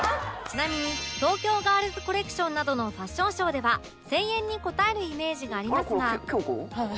ちなみに東京ガールズコレクションなどのファッションショーでは声援に応えるイメージがありますが